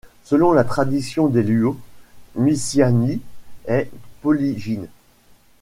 Selon la tradition des Luo, Misiani est polygyne.